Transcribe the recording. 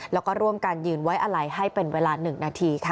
แล้วก็ร่วมกันยืนไว้อะไรให้เป็นเวลา๑นาทีค่ะ